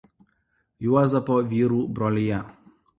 Juozapo vyrų brolija.